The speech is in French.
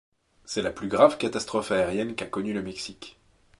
C'est la plus grave catastrophe aérienne qu'a connu le Mexique.